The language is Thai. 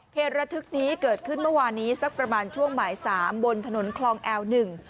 เหตุระทึกนี้เกิดขึ้นเมื่อวานนี้สักประมาณช่วงบ่ายสามบนถนนคลองแอลหนึ่ง